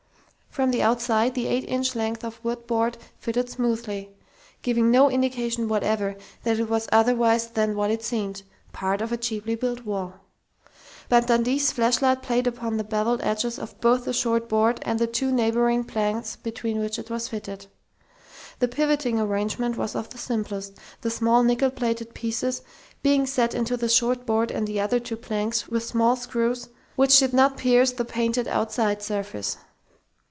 From the outside, the eight inch length of board fitted smoothly, giving no indication whatever that it was otherwise than what it seemed part of a cheaply built wall. But Dundee's flashlight played upon the beveled edges of both the short board and the two neighboring planks between which it was fitted. The pivoting arrangement was of the simplest, the small nickel plated pieces being set into the short board and the other two planks with small screws which did not pierce the painted outside surface.